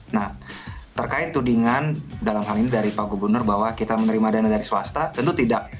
nah terkait tudingan dalam hal ini dari pak gubernur bahwa kita menerima dana dari swasta tentu tidak